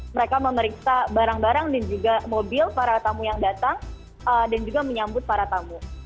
mereka memeriksa barang barang dan juga mobil para tamu yang datang dan juga menyambut para tamu